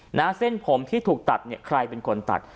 หน้าเส้นผมที่ถูกตัดเนี่ยใครเป็นคนตัด